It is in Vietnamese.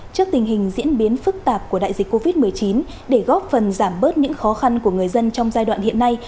trước tình hình diễn biến phức tạp của đại dịch covid một mươi chín để góp phần giảm bớt những khó khăn của người dân trong giai đoạn hiện nay